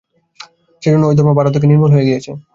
সেজন্য ঐ ধর্ম ভারত থেকে নির্মূল হয়ে গিয়েছে।